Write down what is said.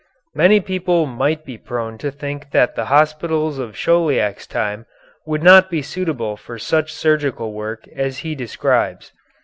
Many people might be prone to think that the hospitals of Chauliac's time would not be suitable for such surgical work as he describes.